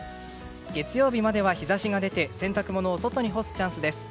月曜日までは日差しが出て洗濯物を外に干すチャンスです。